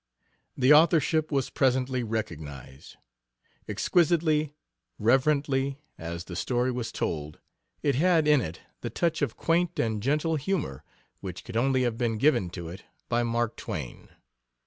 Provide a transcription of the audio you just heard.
The authorship was presently recognized. Exquisitely, reverently, as the story was told, it had in it the touch of quaint and gentle humor which could only have been given to it by Mark Twain.